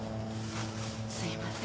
すいません。